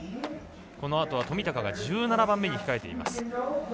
このあとは冨高が１７番目に控えています。